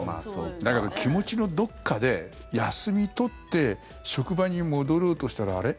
だけど、気持ちのどこかで休み取って職場に戻ろうとしたらあれ？